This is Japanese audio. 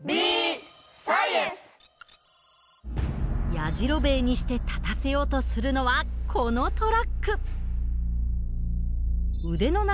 やじろべえにして立たせようとするのはこのトラック。